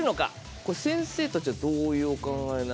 これ先生たちはどういうお考えなのか。